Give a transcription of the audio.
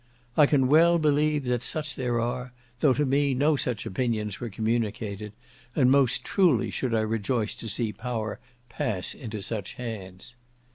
I can well believe that such there are, though to me no such opinions were communicated, and most truly should I rejoice to see power pass into such hands.